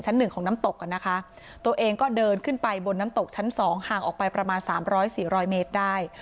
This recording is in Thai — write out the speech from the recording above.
หนึ่งของน้ำตกอ่ะนะคะตัวเองก็เดินขึ้นไปบนน้ำตกชั้นสองห่างออกไปประมาณสามร้อยสี่ร้อยเมตรได้